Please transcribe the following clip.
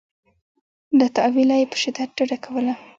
له تأویله یې په شدت ډډه کوله.